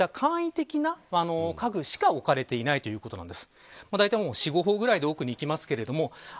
こういった簡易的な家具しか置かれていないということなんです。